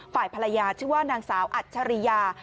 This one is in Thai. ฝ่ายภรรยาชื่อว่านางสาวอัจฉริยา